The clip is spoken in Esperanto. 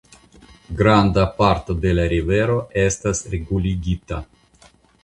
Granda parto de la rivero estas reguligita.